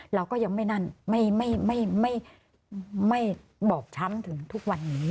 เราก็ยังไม่นั่นไม่บอบช้ำถึงทุกวันนี้